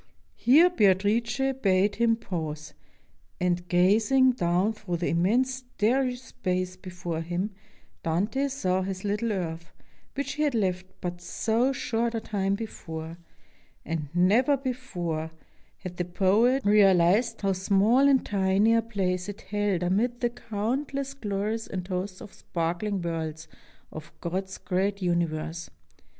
Here Beatrice bade him pause, and, gaz ing dov/n through the immense starry space before him, Dante saw this little earth, which he had left but so short a time before, and never before had the poet real 29 ITALY ized how small and tiny a place it held amid the count less glories and hosts of sparkling worlds of God's great universe.